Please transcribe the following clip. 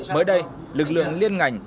mới đây lực lượng liên ngành